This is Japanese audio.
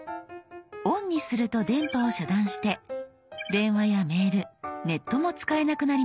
「ＯＮ」にすると電波を遮断して電話やメールネットも使えなくなります。